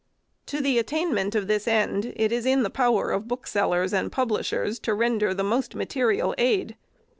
To the attainment of this end, it is in the power of booksellers and publish ers to render the most material aid.